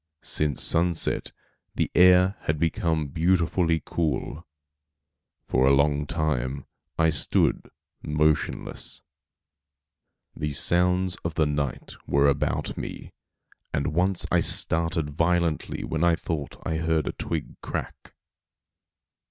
Since sunset the air had become beautifully cool. For a long time I stood motionless. The sounds of the night were about me; and once I started violently when I thought I heard a twig crack.